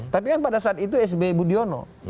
tapi kan pada saat itu sby budiono